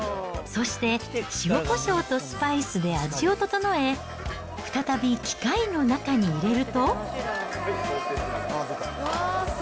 そして、塩こしょうとスパイスで味を調え、再び機械の中に入れると。